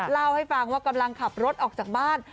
เล่าให้ฟังว่ากำลังขับรถออกจากบ้าน